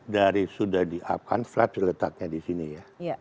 dari sudah diup kan flaps letaknya di sini ya